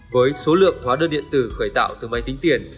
với số lượng hóa đơn điện tử khởi tạo từ máy tính tiền